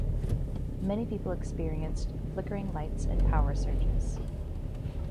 Many people experienced flickering lights and power surges.